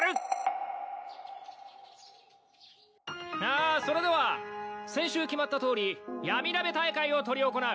あそれでは先週決まったとおりヤミナベ大会を執り行う。